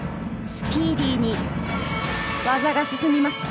スピーディーに技が進みます。